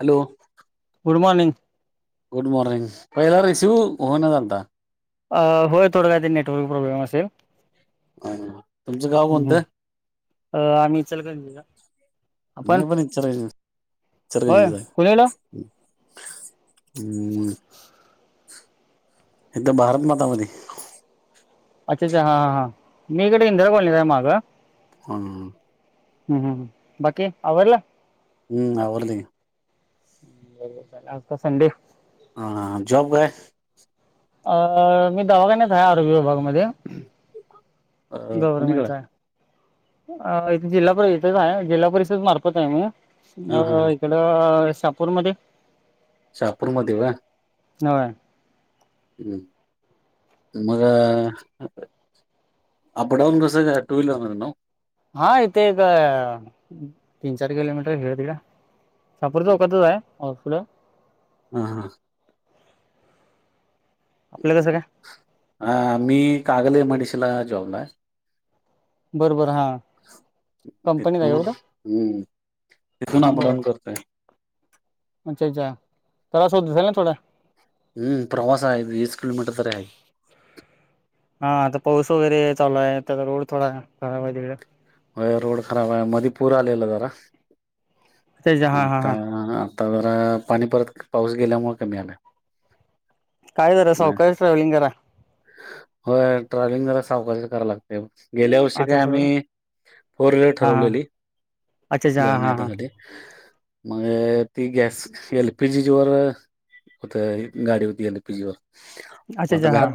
Hello good morning good morning पहिला रिसेऊ हो ना झालत होय थोडं का ते नेटवर्क प्रॉब्लेम असेल तुमचं गाव हम् कोणतं अ आम्ही इचलकरंजी आपण मी पण इचर होय इचरगंजीच आहे कुणीकडे हम्म इथं भारत मातामध्ये अच्छा अच्छा हा मी इक इंदिरा कॉलचा आहे मागं हम हम्म हम् ह बाकी आवला हम आवरले बरो आता संडे हां जॉब का अ मी दवाखान्यात आहे आरोग्य विभागामध्ये कोणीकडे गव्हर्मेंटचा अ थे जिल्हा परिषच आहे जिल्हा परिषद मार्फत आहे नी हा अ हा तलं शपूरमध्ये शहापूरमध्ये वा होय ह् मग अपडाऊन कस हा इथे एक तीन चार किलोमीटर इकडं तिकड चपरतोकत आहे हॉस् हा हा. आपलं कसं काय? हा मी कागल मेडिसला जॉबला आहे बर बर हा कंपनीत आहे तिथून एवढं हम्म तिथून बरं अपडाऊन करतोय अच्छा अच्छा प्रवास होत असेल ना थोडा हम्म प्रवास आहे वीस किलोमीटर तरी आहे. हा आता पाऊस वगैरे चालू आहे तर रोड थोडा खराब आहे तिकडे होय रोड खराब आहे, मधी पूर आलेला जरा अच्छा अच्छा म हा हा आता हा आता जरा पाणी परत पाऊस गेल्यामुळे कमी आलंय काय जरा सवकाश ट्रॅव्हलिंग करा. होय ट्रॅव्हलिंग जरा सावकाशच कराव लागत त गेल्या वर्षी आता काय सो आम्ही फोर व्हीलर हा हा ठरवलेली अच्छा अच्छा जाण्या हा हा येण्यासाठी मग ती गॅस एल पी जी वर होत गाडी होती एल पी जी वर अच्छा मग आता अच्छा घरा हा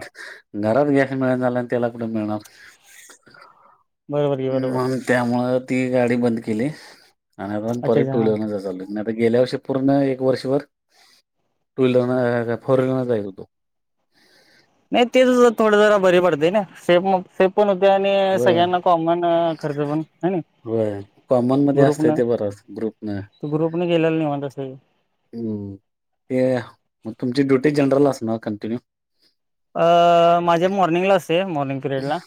घरात गॅस मिळत नाय मग तेला कुठे मिळणार बरोबर की बरोबर म त्यामुळे ती गाडी बंद केली आणि आता अच्छा परत अच्छा टू हा व्हीलर जाय चालू केली आणि आता गेल्या वर्षी पूर्ण एक वर्षभर टू व्हीलरन फोर व्हीलरन जायत होतो नाय तेच थोड जरा बरी पडते ना सेफ मग सेफ पण होते आणि होय सगळ्यांना कॉमन खर्च पण हाय ना व्हय कॉमन मध्ये असत ते बरं ग्रुप नाय ग्रुप न गेलेला निवांत असते. हम्म ते मग तुमची ड्युटी जनरल असणार कंटिन्यू अह माझी मॉर्निंगला असते मॉर्निंग पिरियड ला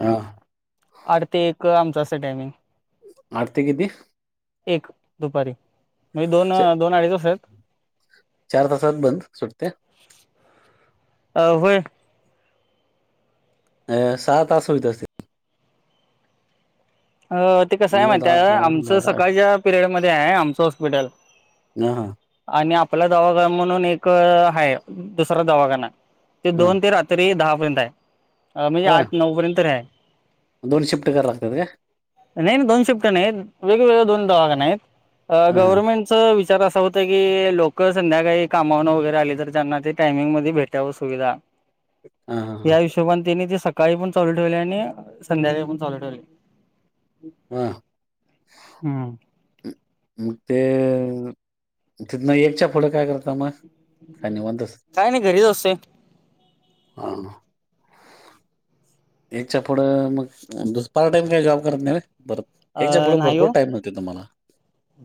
हा आठ ते एक आमचं असत टायमिंग आठ ते किती? एक दुपारी म्हणजे दोन च- दोन अडीच वाजत्यात चार तासात बंद सुटते अह व्हय. अह सहा तास होयत असतील अह ते कसं आहे नऊ माहित दहा आहे अकरा आमचं बारा सकाळच्या पिरयडमध्ये आहे आमचं हॉस्पिटल हा हा. आणि आपला दवाखाना म्हणून एक आहे दुसरा दवाखाना ते हा दोन ते रात्री त्री दहापर्यंत आहे म्हणजे होय? आठ नऊ पर्यंतर आहे दोन शिफ्ट करया लागतात का? नाही नाही दोन शिफ्ट नाही वेगवेगळ्या दोन दवाखाने आहेत हा हा गव्हर्नमेंट च विचार असा होत की, लोक संध्याकाळी कामावरन वगैरे आले तर त्यांना ते टायमिंग मध्ये भेट त्यावर सुविधा हा हा हा या हिशोब त्यांने ते सकाळी पण चालू ठेवलय आणि संध्याकाळी पण चालू ठेवलय हम्म. हा. हम्म. मग ते तिथन एकच्या पुढ काय करता. समज काय निवांत काय नाही घरीच असतोय हा. एकच्या पुढं मग दु पार्ट टाइम काय जॉब करत नाही परत एकच्या अ पुढं नाही हो भरपूर टाइम मिळ तो तुम्हाला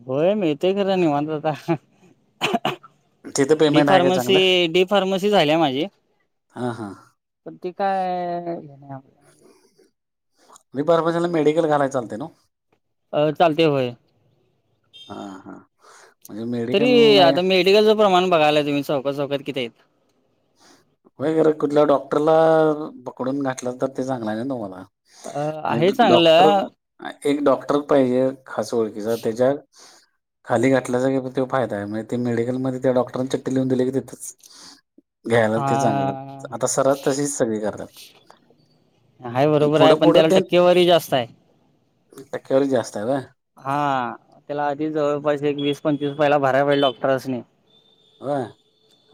होय मिळते खरं निवांत आता तिथं डी पेमेंट आहे का चांगलं फार्मसी डी फार्मसी झाली माझी. हां हां पण ते काय घ आ बी फार्मसी ला मेडिकल घालायला चालतय नव्ह? अ चालते होय. हा हा म्हणजे मेडिकल तरी नाही आता मेडिकलचं प्रमाण बघायलाय तुम्ही चौका चौकात किती आहे. वगैरे कुठल्या डॉक्टरला पकडून घातलं तर ते चांगल आहे ना तुम्हाला? अ आहे डॉक्टर चांगलं एक डॉक्टर पाहिजे खास ओळखीचा त्याच्यात खाली घातल की तो फायदा म्हणजे ते मेडिकलमध्ये त्या डॉक्टरांना चिट्टी लीहून दिली की तिथच आ [inaudible] सरास तशीच सगळी करतात आहे बरोबर आहे पुढं पण पुढं त्याला ते टक्केवारी जास्त आहे. टक्केवारी जास्त हाय होय. हा त्याला आधी जवळपास एक वीस पंचवीस पहिला भराय पाहिजे डॉक्टरासनी होय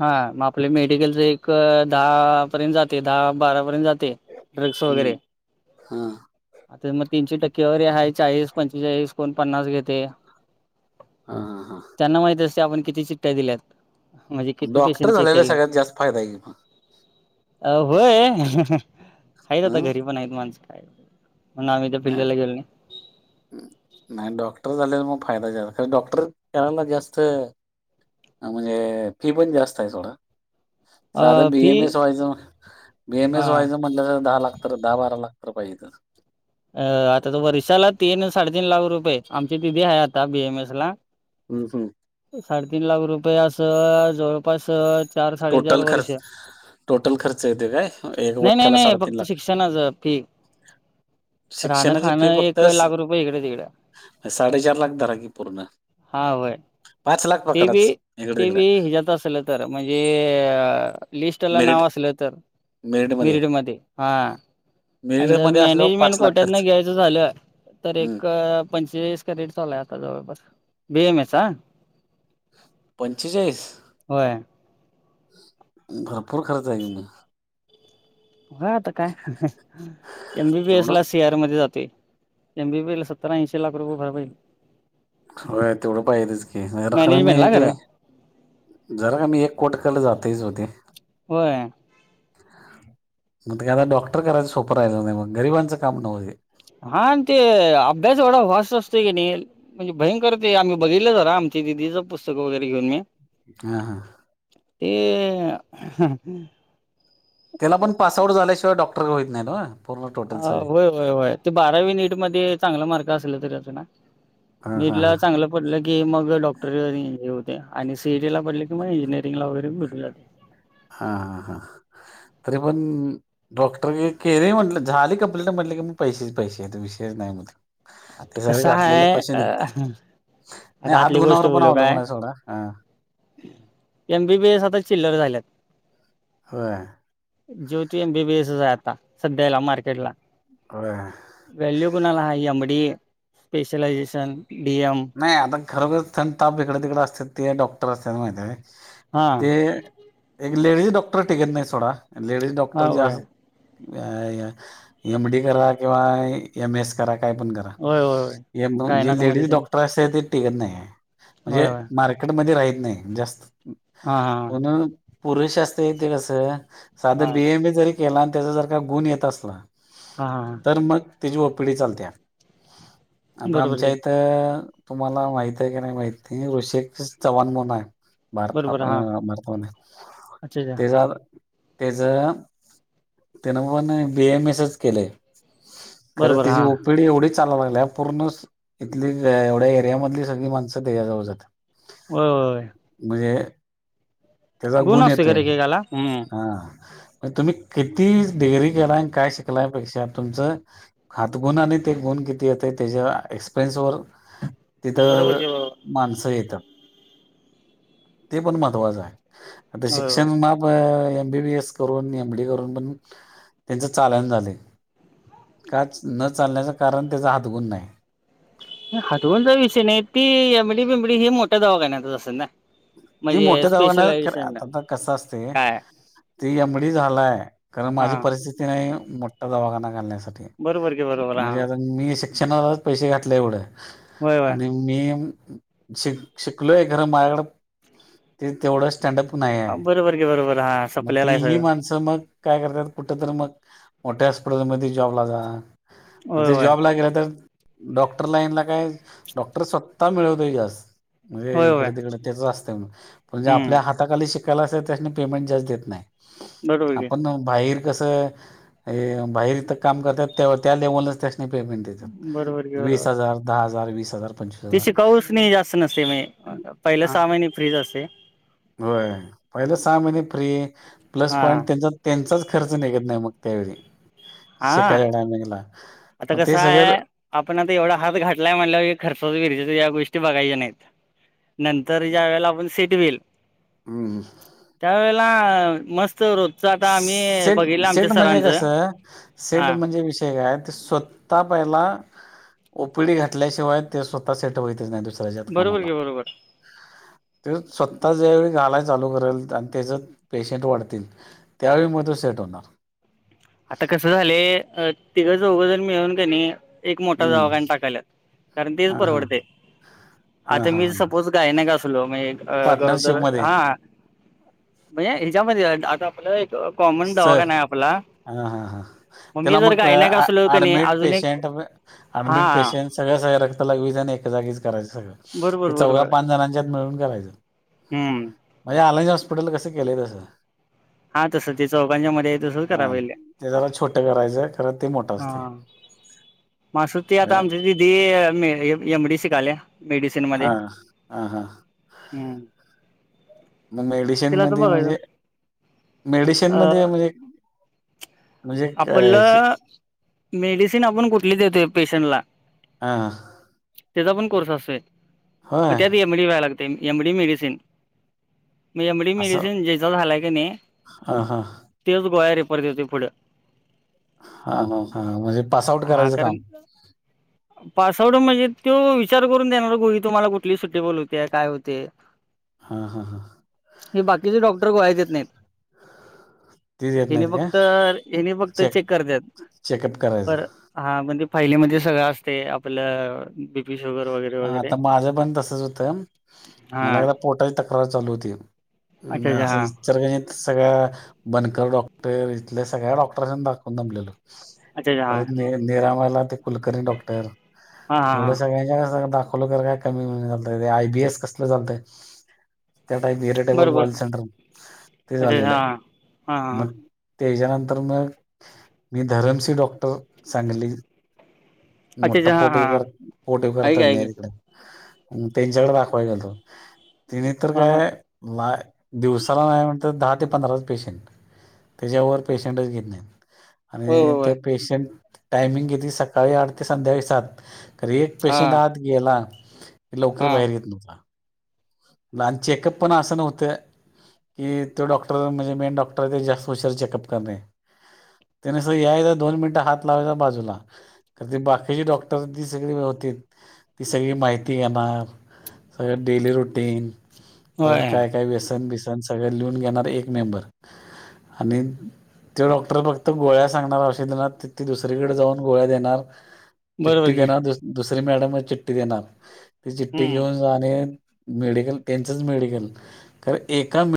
ह [inaudible] हा मग आपले मेडिकलच एक दहा पर्यंत जातय, दहा बारापर्यंत जातय. ड्रग्स हम्म वगैरे हा आता मग तीनशे टक्के व आहे चाळीस पं एसकोण पन्नास घेते. अ हा, हा त्यांना माहित अस आपण किती चिट्ट्या दिल्यात म्हणजे किती डॉक्टर पेशंट चेक झालेला केल्यात. सगळ्यात जास्त फायदा आहे की मग अ व्हय आहेत अ आता घरी पण आहेत माणसं काय मग आम्ही ते फिल्डला गेलो नाही. नाही डॉक्टर झालेल मग फायदा [unintelligible] डॉक्टर करायला जास्त. म्हणजे फी पण जास्त आहे थोडा. अ साधं फी बीएम एस व्हायचं बीएम एस हा व्हायचं म्हटलं तर दहा लाख, तर दहा बारा लाख तर पाहिेजेतचं. अ आता तो वर्षाला तीन साड तीन लाख रुपये आमची दिदी हाय आता बी एम एस ला. हम् [unintelligible] साडेतीन लाख रुपये असं जवळपास चार साडेचार टोटल वर्ष. खर्च टोटल खर्च येते काय एक नाही नाही वर्षाला नाही साडेतीन फक्त लाख. शिक्षणाच फी. राहणं शिक्षणाची खाणं एक लाख रुपये इकड तिकड. साडे चार लाख धरा की पूर्ण. हा वय. पाच लाख ते बी पकडाच इकडे ते तिकडे बी ह्याजात असल तर म्हणजे अ लिस्टला मेरिट नाव असलं तर, मेरिट मध्ये मिरिटमध्ये हा. आणि मेरिट जर मध्ये असल्यावर मॅनेजमेंट पाच लाख कोट्यातन खर्च घ्यायचं झालं तर हम्म एक पंचेचाळीस का रेट चालू हाय आता जवळपास, बीएम एस हा पंचे चाळीस? होय भरपूर खर्च आहे की मग? हम आता काय एम बी बीए स ला. तेवढंच शेहर मध्ये जाते एमबी बेसला सतरा ऐंशी लाख रुपये भरायला लागते. होय तेवढं पाहिेतच की, [unintelligible] मी मॅनेजमेंटला ते खरं जरा कमी एक कोट कला जातेच ओ ते. होय. मग ते आता डॉक्टर करायचं सोपं राहिलं नाही बा, गरिबांच काम नव्ह हे. हा ते अभ्यास एवढा हॉस् असतो की नई. म्हणजे भयंकर आहे आम्ही बघितललं जरा आम दीदी च पुस्तक वगैरे घेऊन मी. हा हा. ते हम्. त्याला पण पास आउट झाल्याशिवाय डॉक्टर व्हईत नाही न्हव. अ व्हय, व्हय व्हय ते बारावी नीट मध्ये चांगला मार्क असल तरी नसणा - हां हां नीटला हां चांगलं. पडलं की मग डॉक्टरी होत्या, आणि सीईटी ला पडल की मग इंजिअरिंगला वगैरे भेटून जातय. हा हा तरी पण. डॉक्टर केले म्हटलं झाले कंप्लेंट म्हटले की म पैसेच पैसेेत विषय नाही म आता ते सगळे कसं घातलेलं आहे पैसे अ निघते - नाही आता हात आतली गोष्ट गुणावर पण अवलंबून हाय सोडा.. एम बी बी एस आता चिल्लर झाल्यात. होय. ज्योती एम बी बी एस च आहे आता सध्या ह्याला मार्केट ला. का. वल्यू कोणला हाई एम डी स्पेशलैजेशन डीिएम. नाही आता खरोखर थंड ताप इकडे तिकडे असतेत ते डॉक्टर अस - माहिती हा ते. एक लेडीज डॉक्टर टिकत नाही सोडा, आणि लेडीज डॉक्टर हा जे होय अस - य य एम डी करा किंवा एम एस करा काय पण करा होय होय होय. जी गायनाक मध्ये लेडीज तेन डॉक्टर - [unintelligible] टिकत नाही म्हणजे होय होय मार्केट मध्ये राहीत नाही जास्त हा हा म्हणून पुरुषशास्त्र येते कसं हा साधं हा बीएम ए जरी. केला आणि त्याचा जर का गुण येत असला- हा हां हां तर मग त्याची ओ पी डी चालत्या आता बरोबर आमच्या की इथ तुम्हाला माहित आहे की नाही माहिती ऋषेक चव्हाण म्हणून हाय. भारतात बरोबर हा भारतामध्ये अच्छा अच्छा तेचा तेच. तन पण बीएम एसच केलंय खरं बरोबर तची हा ओ पिढी एवढी चालू लागल्या पूर्ण इथली एवढ्या एरिया मधली सगळी माणसं त्याजवळ जातात. होय होय. म्हणजे त्याचा गुण असतो का येतोय एकेकाला बरोबर हा तुम्ही किती डिग्री करा काय शिकलापेक्षा तुमचं हात गुणाने ते गुण किती येत त्याच्या एक्सप्रियन्स वर तिथं की बरोबर माणसं येतात ते पण महत्त्वाचं आहे. आता होय शिक्षण होय माप एम बी बीए स करून एम डी करू - पण त्यांच चालण झाले. काच न चालण्याचं कारण त्याचा हातगुण नाही. हातोून ज विषय नाही ती एमडी बिंबडी हे मोठ्या दवाखान्यात असेल ना.. ती म्हणजे मोठ्या दवाखान्यात स्पेशलायझेशन आता कस असते. काय ती एम डी झालाय खर, हा माझी परिस्थिती नाही मोठठा दवाखाना घालण्यासाठी. बरोबर की बरोबर हा म्हणजे आता मी शिक्षणालाच पैसे घातले एवढं... होय होय. [inaudible] शि शिकलोय खरं माझ कड [inaudible] तेवढं. स्टँडअप नाही आहे बरोबर की बरोबर हा मग सपलेला ती आहे ह सगळं माणसं मग काय करतात कुठ तररी मग मोठ्या हॉस्पिटलमध्ये जॉबला जा. म्हण होय ते होय जॉबला गेला तर. डॉक्टर लाईनला काय डॉक्टर स्वतः मिळवतोय जास्त. म्हणजे होय होय इकडे तिकड त्याचच असतंय, पण जे हम्म आपल्या- हाताखाली शिकायला असेल त्यांनी पेमेंट जास्त देत नाही बरोबर की आप बाहेर कसं हे बाहेर इथं काम करतात त्या त्या लेवलच त्या पेमेंट देतं बरोबर की बरोबर वीस हजार दहां हजार वीस हजार पंचवीस ती हजार शिकाऊसनी जास्तं नसतेय म्हंजजे पहिलं सहा महीने फ्री चं असतंय. होयं पहिले सहा महिने फ्री प्लसं हा पॉईंट त्यांचा त्यांचं चं खर्च निघंत नाहीं मंग त्यावेळीं हा शिकायला टांईमीगला आता कसं हायं आपणं आता एवढां हात घाटलांय म्हटलं की खर्चा यां गोष्टीचा बघायच्यां नाहीतं नंतर ज्यां वेळेलां आपणं सीट व्हील - हं त्यांवेेळेलां मस्तं होतं सेंट, सेंट म्हणजे कसं सेंट हा म्हणजे विषयं कायं ते स्वंत- त्यां पहिला ओपीडी घातल्यांशिवांय ते स्वंतः सेंट होतंच नाहीं दुसरं बरोबर घे बरोबर ते स्वंतः ज्यांवेेळी गालांय चालूं करेल आणि त्यांचं पेशंट वाढतील त्यावेळीं मंग तो सेट होणारं आता कसं झालं अ तिघं चौघंजणं मिळूंन त्यांनी- एक मोठां हम्म दवाखाना टाकलां कारणं तेचं हा हा परवडते हा आता हा मी हा सपोजं गायंनीक असलो मं एक गरोदर पार्टनरशिप मध्ये हां. म्हंये ह्याच्यामंध्ये आता आपलं एक कॉमन दवाखाना हांय आपलां. हां हां हां त्यालां मंग असलो कणी एडमिट अजून एक पेशंट ऍडमिट हा पेशंट सगळ्यां सगळ्यां रक्तं लगवीचं आणि एकांजागीचं करायचं सगळं ते बरोबर चौघा बरोबर पांच जणांच्यांत मिळूंन करायचं हम्म माझं आयलाईज हॉस्पिटल कसं केलं आहे तसं हां तसं ते चौघांच्या मंध्यें हां ते जरा छोटं करायचं खरं ते मोठं असते माशुंती आता हा आमंची ती एम डी सी शिकाल्यां मेडिसिन मंध्यें हा हा हा. हम्मं. मंग मेडिसिनं मध्यें म्हणजे मेडिसिनं मध्यें म्हणजे म्हणजे काय आपला ह्याची मेडिसिनं आपणं कुंठली देतोय पेशंटलां हां त्यांचा पणं कोर्स असेलं मंग होय त्यांत एमडी व्हायंला लागते एमडी मेडिसिनं. मं एमडी असं मेडिसिनं ज्यांचा झालायं कां नाहीं हा हा तेचं गोळ्यां रेपरदेतोयपुंढ हां हां म्हणजे पांस आऊट करायचं कामं ह [unintelligible] पांसवडं म्हणजे तो विचारं करूंन देणारं गोळी तुम्हांला कुंठली सुट्टीबल होते कायं होतें हां हां हां हे बाकीचे डॉक्टर गोळ्यां देतंनाहींत ते नाहींत कां हेने फक्तं चेक करत्यांत करायचं पर हां म्हणजे फाहिलीमध्यें सगळं असतें आपलं मिशोवंर वगैरें हां आता माझं पणं तसंच होतं हा मलां ही एकदां पोटाची तक्रार चालूं होती अच्छा अच्छा हा असं सगळ्यां बनकर डॉक्टर इथल्यां सगळ्यां डॉक्टर दाखवूंन दमलेलो अच्छा अच्छा हा परंत निरामलां ते कुलकर्णी डॉक्टर हां हां हां एखाद्याला दाखवलं तरं कायं कमी आय बीएस कसलं चालतंय त्यां टाईप व्हेरिटेबल बरोबर वर्ल्ड सेंटर ते अच्छा अच्छा झालेलं आहे हा हा हा हा मंग त्यांच्यानंतर मंग मी धरमसी डॉक्टर सांगली अच्छा मोठां अच्छा हा हा पोटविकार पोटविकार ऐक ऐक तंज्ञ त्यांच्याकडे दाखवायच होत त्यांनी तर हा हा काय ला दिवसाला नाही म्हणत दहा ते पंधराच पेशंट त्याच्यावर पेशंटच घेत नाहीत होय आणि होय होय ते पेशंट टायमिंग घेतती सकाळी आठ ते संध्याकाळी सात अरे! एक हा पेशंट आत गेला लवकर हा बाहेर येत नव्हता. आन चेकअप पण असं नव्हतं की तो डॉक्टर म्हणजे मेन डॉक्टर आहे तेस सोशल चेकअप करणे त्याने अस यायचा दोन मिनिटं हात लावायचा बाजूला तर ते बाकीचे डॉक्टर ती सगळी होती ती सगळी माहिती घेणार सगळं डेली रुटीन. परत होय काय काय व्यसन बिसन सगळ लिहून घेणार एक मेंबर आणि ते डॉक्टर फक्त गोळ्या सांगणार औषधनात ति ते दुसरीकडे जाऊन गोळ्या देणार बरोबर ती की देणार दुसरी मॅडम पण चिट्टी देणार ती चिट्टी हम्म घेऊन जाणे मेडिकल त्यांचच मेडिकल कारण एका